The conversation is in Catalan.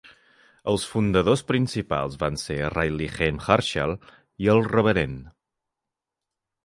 Els fundadors principals van ser Ridley Haim Herschell i el reverend.